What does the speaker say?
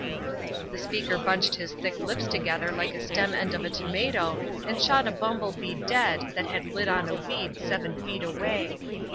The speaker bunched his thick lips together like the stem end of a tomato and shot a bumble bee dead that had lit on a weed seven feet away.